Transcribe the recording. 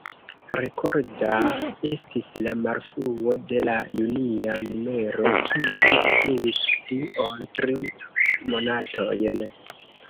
Rekorda estis la malfruo de la junia numero, kiu malfruis pli ol tri monatojn.